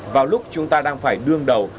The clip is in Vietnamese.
vào lúc chúng ta đang phải đương đầu